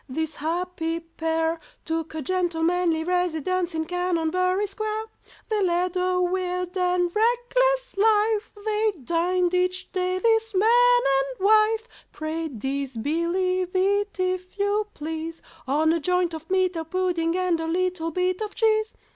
this happy pair Took a gentlemanly residence in Canonbury Square! They led a weird and reckless life, They dined each day, this man and wife (Pray disbelieve it, if you please), On a joint of meat, a pudding, and a little bit of cheese.